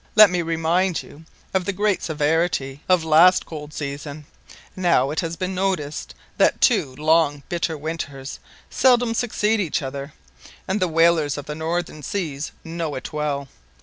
Let me remind you of the great severity of last cold season; now it has been noticed that two long bitter winters seldom succeed each other, and the whalers of the northern seas know it well.